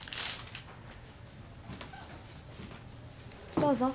・どうぞ。